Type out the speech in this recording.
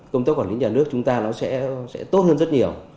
công tác quản lý nhà nước chúng ta nó sẽ tốt hơn rất nhiều